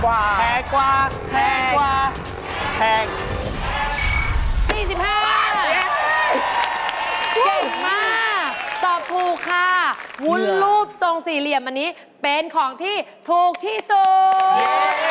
เก่งมากตอบถูกค่ะวุ้นรูปทรงสี่เหลี่ยมอันนี้เป็นของที่ถูกที่สุด